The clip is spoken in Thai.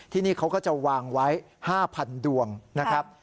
ที่นี่เขาก็จะวางไว้๕๐๐๐ดวงนะครับ